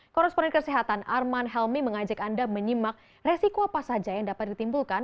korresponden kesehatan arman helmi mengajak anda menyimak resiko apa saja yang dapat ditimbulkan